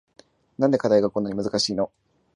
なんで課題がこんなに難しいの